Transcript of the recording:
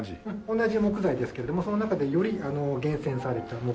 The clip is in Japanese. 同じ木材ですけれどもその中でより厳選された木材を使用した。